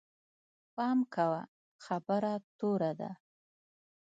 پام کوه، خبره توره ده